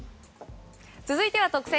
続いては特選！